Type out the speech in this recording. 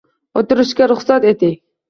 O'tirishga ruxsat eting